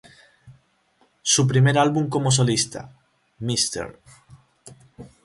Su primer álbum como solista "Mr.